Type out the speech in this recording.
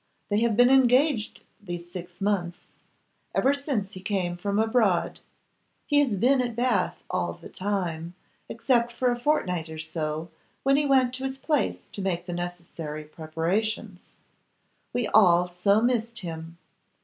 They have been engaged these six months; ever since he came from abroad. He has been at Bath all the time, except for a fortnight or so, when he went to his Place to make the necessary preparations. We all so missed him.